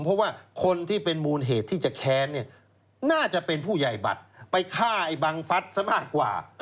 เพราะว่าคนที่เป็นมูลเหตุที่จะแค้นเนี่ยน่าจะเป็นผู้ใหญ่บัตรไปฆ่าไอ้บังฟัฐซะมากกว่า